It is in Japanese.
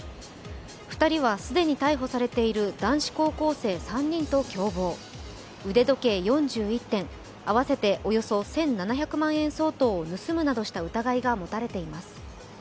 ２人は既に逮捕されている男子高校生３人と共謀、腕時計４１点合わせておよそ１７００万円相当を盗むなどした疑いが持たれています。